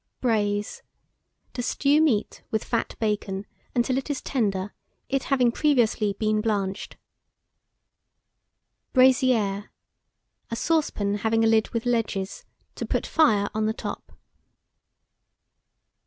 BRAISE. To stew meat with fat bacon until it is tender, it having previously been blanched. BRAISIÈRE. A saucepan having a lid with ledges, to put fire on the top.